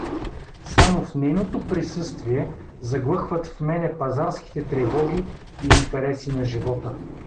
Само в нейното присъствие заглъхват в мене пазарските тревоги и интереси на живота.